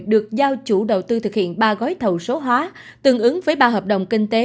được giao chủ đầu tư thực hiện ba gói thầu số hóa tương ứng với ba hợp đồng kinh tế